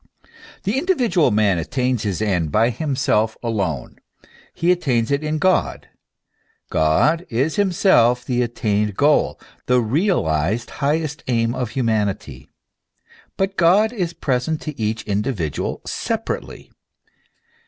The individual man attains his end by himself alone ; he attains it in God, God is himself the attained goal, the realized highest aim of humanity : but God is present to each individual separately.